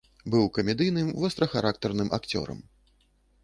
Быў камедыйным вострахарактарным акцёрам.